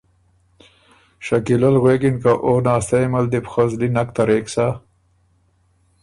شکیلۀ ل غوېکِن که او ناستئ یه مل دی بو خه زلی نک ترېک سۀ۔